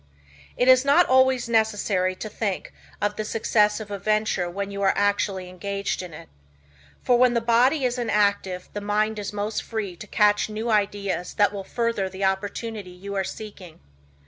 It is not always necessary to think of the success of a venture when you are actually engaged in it. For when the body is inactive the mind is most free to catch new ideas that will further the opportunity you are seeking.